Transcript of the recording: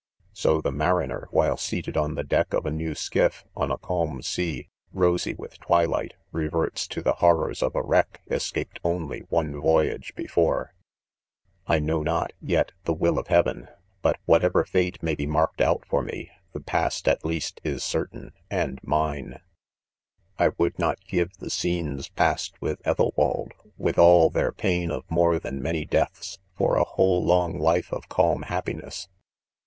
.. So the mariner, while seated on the"deck. of a new skifl^on a calm sea, rosy with twilight, reverts to! tEfc. horrors of a wreck., escaped, only one voyage before. ■; fi Iknow not, yeft the /will of heaven 5 but. whatever :&e^may be;n^arked out for ■■ me^the past; at. least, is certain 1 ,; and mine. ,.* I would, not give the scenes past withEth elwald, with all. their pain of more than many deaths, for a. whole long life of calm happi ness.